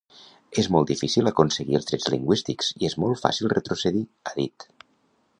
“És molt difícil aconseguir els drets lingüístics i és molt fàcil retrocedir”, ha dit.